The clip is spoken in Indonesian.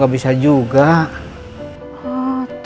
gak bisa juga bu